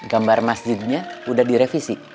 gampar masjidnya udah direvisi